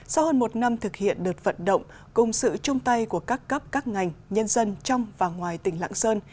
sau hơn một năm thực hiện đợt vận động cùng sự chung tay của các cấp các ngành nhân dân trong và ngoài tỉnh lạng sơn